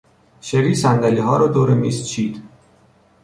شری صندلیها را دور میز چید.